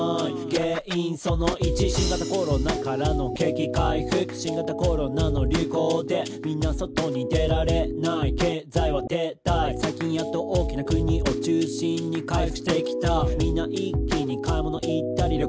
「原因その１新型コロナからの景気回復」「新型コロナの流行でみんな外に出られない」「経済は停滞」「最近やっと大きな国を中心に回復してきた」「みんな一気に買い物行ったり旅行したり」